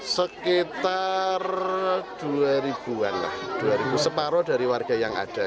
sekitar dua an lah dua separoh dari warga yang ada